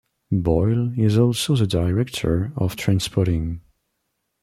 Boyle is also the director of Trainspotting.